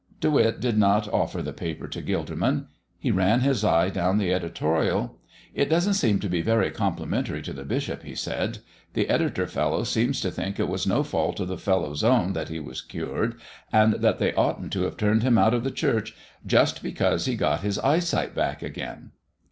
De Witt did not offer the paper to Gilderman. He ran his eye down the editorial. "It doesn't seem to be very complimentary to the bishop," he said. "The editor fellow seems to think it was no fault of the fellow's own that he was cured, and that they oughtn't to have turned him out of the Church just because he got his eyesight back again."